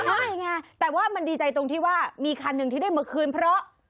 ใช่ไงแต่ว่ามันดีใจตรงที่ว่ามีคันหนึ่งที่ได้มาคืนเพราะ